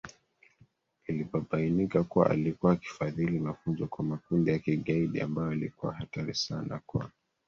ilipobainika kuwa alikuwa akifadhili mafunzo kwa makundi ya kigaidi ambayo yalikuwa hatari sana kwa